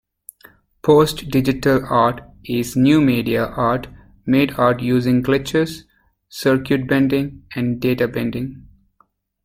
Postdigital art is new media art made art using glitches, circuit bending and databending.